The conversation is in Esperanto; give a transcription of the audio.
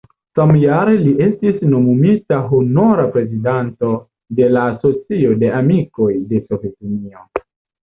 Samjare li estis nomumita honora prezidanto de la Asocio de Amikoj de Sovetunio.